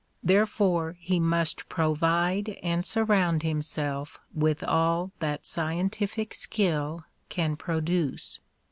Therefore he must provide and surround himself with all that scientific skill can produce.